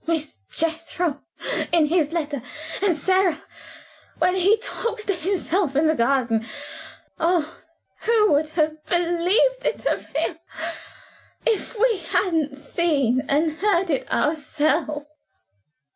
'Miss Jethro' in his letter; and 'Sara,' when he talks to himself in the garden. Oh, who would have believed it of him, if we hadn't seen and heard it ourselves!"